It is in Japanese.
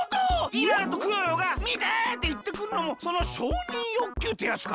イララとクヨヨが「みて！」っていってくるのもその承認欲求ってやつか。